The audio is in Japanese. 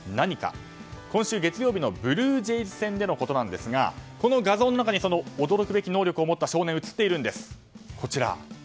今週月曜日のブルージェイズ戦のことなんですがこの画像の中に驚くべき能力を持った少年が映っているんです。